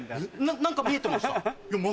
何か見えてました？